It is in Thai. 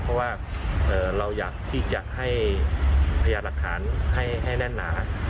เพราะว่าเราอยากที่จะให้พยาหลักฐานให้แน่นหนา